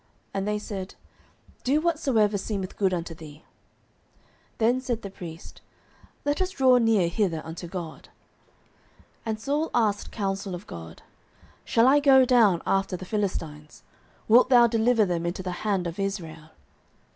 And they said, Do whatsoever seemeth good unto thee. Then said the priest, Let us draw near hither unto God. 09:014:037 And Saul asked counsel of God, Shall I go down after the Philistines? wilt thou deliver them into the hand of Israel?